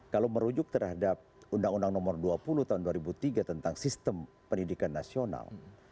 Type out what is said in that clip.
kalau merujuk terhadap undang undang nomor dua puluh tahun dua ribu tiga tentang sistem pendidikan nasional